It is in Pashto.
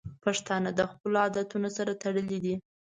پښتانه د خپلو عادتونو سره تړلي دي.